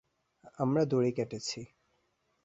আমরা দড়ি কেটেছি।